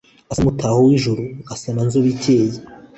Asa n'umutaho w'ijuru. Asa na Nzobikeye,